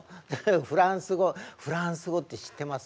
フランス語フランス語って知ってます？